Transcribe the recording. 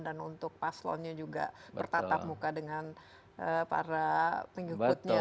dan untuk paslonnya juga bertatap muka dengan para pengikutnya